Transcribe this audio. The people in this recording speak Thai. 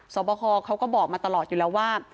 สอบคอเขาก็บอกมาตลอดอยู่แล้วว่า